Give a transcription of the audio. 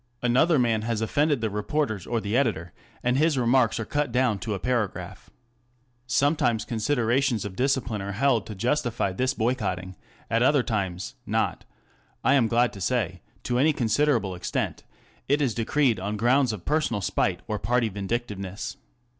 Another man has offended the reporters or the editor, and his remarks are cut down to a paragraph. Sometimes considerations of discipline are held to justify this boycotting; at other times ŌĆö not, I am glad to say, to any considerable extent ŌĆö it is decreed on grounds of personal spite or party vindictiveness.